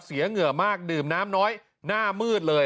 เหงื่อมากดื่มน้ำน้อยหน้ามืดเลย